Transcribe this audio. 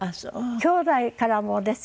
きょうだいからもですし